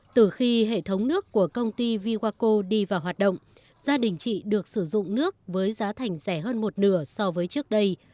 từ khi hệ thống nước của công ty vywaco đi vào hoạt động gia đình chị được sử dụng nước với giá thành rẻ hơn một nửa so với trước đây